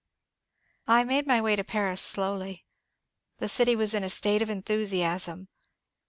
I made my way to Paris slowly. The city was in a state of enthusiasm.